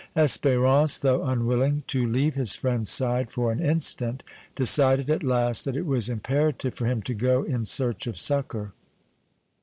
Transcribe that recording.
Espérance, though unwilling to leave his friend's side for an instant, decided at last that it was imperative for him to go in search of succor.